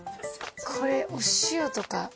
これお塩とか。